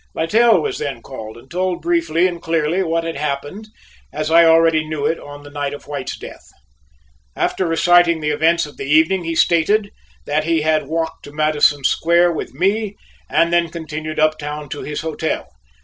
Littell was then called and told briefly and clearly what had happened as I already knew it on the night of White's death. After reciting the events of the evening, he stated that he had walked to Madison Square with me and then continued uptown to his hotel.